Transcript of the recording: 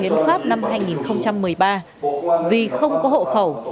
hiến pháp năm hai nghìn một mươi ba vì không có hộ khẩu